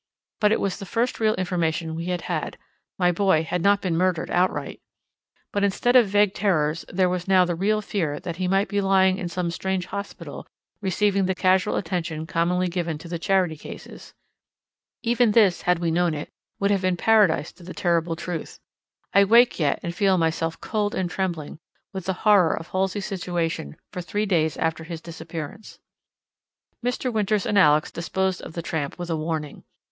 But it was the first real information we had had; my boy had not been murdered outright. But instead of vague terrors there was now the real fear that he might be lying in some strange hospital receiving the casual attention commonly given to the charity cases. Even this, had we known it, would have been paradise to the terrible truth. I wake yet and feel myself cold and trembling with the horror of Halsey's situation for three days after his disappearance. Mr. Winters and Alex disposed of the tramp with a warning.